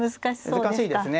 難しいですね。